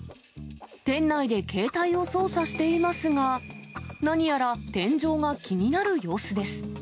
店内で携帯を操作していますが、何やら天井が気になる様子です。